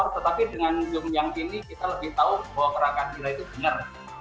tetapi dengan zoom yang ini kita lebih tahu bahwa kerakan gila itu benar